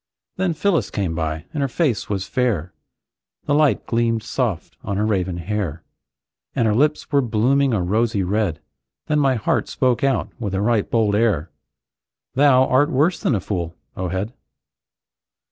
Then Phyllis came by, and her face was fair, The light gleamed soft on her raven hair; And her lips were blooming a rosy red. Then my heart spoke out with a right bold air: "Thou art worse than a fool, O head!"